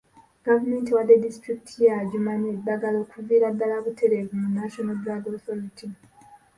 Gavumenti ewadde disitulikiti y'e Adjumani eddagala okuviira ddaala butereevu mu National Drug Authority.